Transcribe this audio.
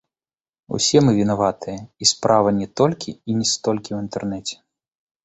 Усе мы вінаватыя, і справа не толькі і не столькі ў інтэрнэце.